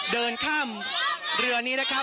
เดินข้ามเรือนี้นะครับ